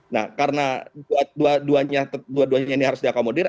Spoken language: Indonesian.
nah karena dua duanya ini harus diakomodir